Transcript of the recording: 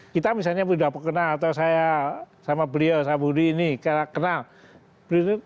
kita misalnya berdua pekenal atau saya sama beliau sama budi ini kenal